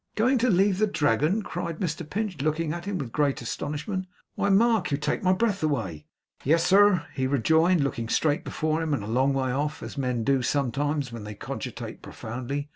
'Going to leave the Dragon!' cried Mr Pinch, looking at him with great astonishment. 'Why, Mark, you take my breath away!' 'Yes, sir,' he rejoined, looking straight before him and a long way off, as men do sometimes when they cogitate profoundly.